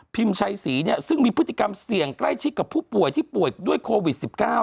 ชัยศรีซึ่งมีพฤติกรรมเสี่ยงใกล้ชิดกับผู้ป่วยที่ป่วยด้วยโควิด๑๙